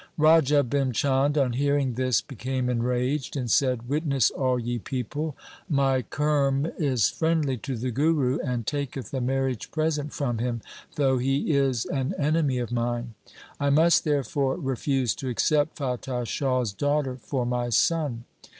Raja Bhim Chand on hearing this became enraged and said, ' Witness all ye people. My kurm 1 is friendly to the Guru, and taketh a marriage present from him, though he is an enemy of mine. I must therefore refuse to accept Fatah Shah's daughter for my son.'